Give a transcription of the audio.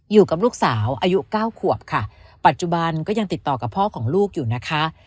อยู่กับลูกสาวอายุเก้าขวบค่ะปัจจุบันก็ยังติดต่อกับพ่อของลูกอยู่นะคะ